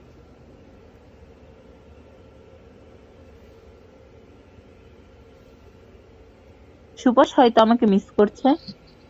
Soups হয়তো আমাকে miss করছে।